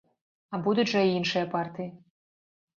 А будуць жа і іншыя партыі.